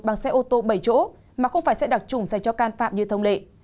bằng xe ô tô bảy chỗ mà không phải sẽ đặt chủng dành cho can phạm như thông lệ